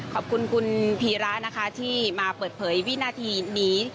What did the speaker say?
ขอบคุณคุณพีระนะคะที่มาเปิดเผยวินาทีนี้